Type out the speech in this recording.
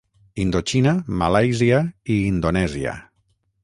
Indoxina, Malàisia i Indonèsia.